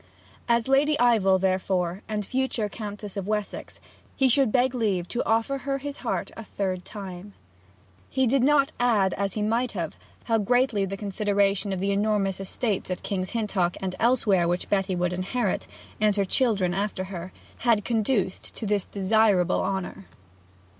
As Lady Ivell, therefore, and future Countess of Wessex, he should beg leave to offer her his heart a third time. He did not add, as he might have added, how greatly the consideration of the enormous estates at King's Hintock and elsewhere which Betty would inherit, and her children after her, had conduced to this desirable honour.